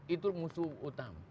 itu musuh utama